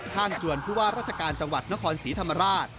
ทางจวนผู้ว่าราชการจังหวัดนครศรีธรรมราช